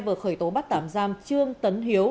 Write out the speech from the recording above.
vừa khởi tố bắt tạm giam trương tấn hiếu